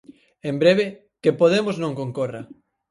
En breve: que Podemos non concorra.